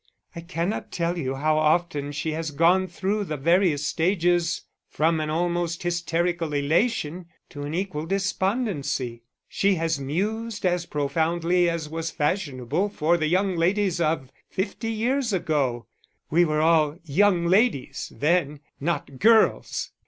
I cannot tell you how often she has gone through the various stages from an almost hysterical elation to an equal despondency. She has mused as profoundly as was fashionable for the young ladies of fifty years ago (we were all young ladies then not girls!)